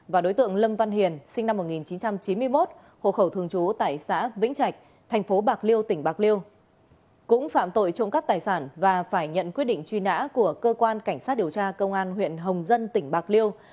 và đối tượng lâm văn hiền sinh năm một nghìn chín trăm chín mươi một hộ khẩu thường trú tại xã vĩnh trạch thành phố bạc liêu tỉnh bạc liêu